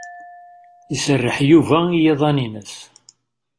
Iserreḥ Yuba i yiḍan-ines.